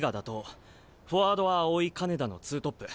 フォワードは青井金田の２トップ。